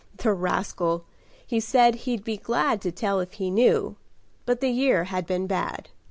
The rascal, he said he'd be glad To tell if he knew. But the year had been bad.